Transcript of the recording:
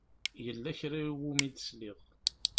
Yella kra i wumi d-sliɣ.